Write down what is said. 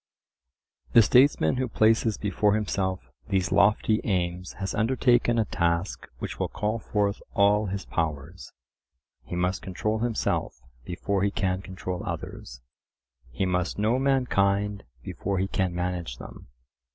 The statesman who places before himself these lofty aims has undertaken a task which will call forth all his powers. He must control himself before he can control others; he must know mankind before he can manage them.